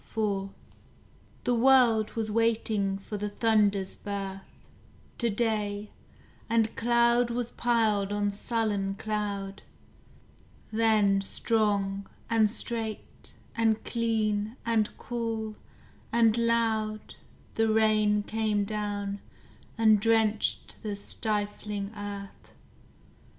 IV The world was waiting for the thunder's birth, To day, and cloud was piled on sullen cloud: Then strong, and straight, and clean, and cool, and loud The rain came down, and drenched the stifling earth.